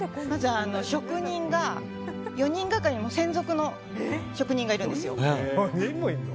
職人が４人がかりで専属の職人がいるんですよ。